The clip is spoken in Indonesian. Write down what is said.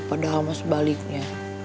padahal mas baliknya